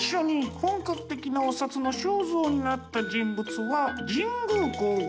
本格的なお札の肖像になった人物は神功皇后。